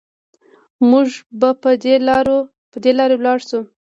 مونږ به په دې لارې لاړ شو